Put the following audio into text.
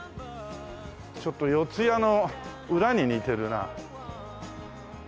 ちょっと四谷の裏に似てるな。